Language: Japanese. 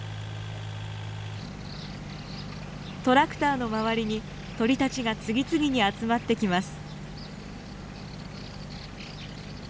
トラクターの周りに鳥たちが次々に集まってきます。